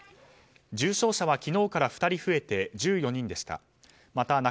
重症者は昨日から２人増えて１４人でした。